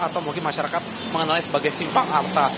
atau mungkin masyarakat mengenalai sebagai simpang arta